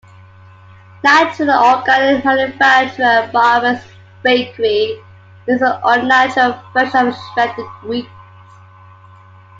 Natural and organic manufacturer Barbara's Bakery makes an all-natural version of shredded wheat.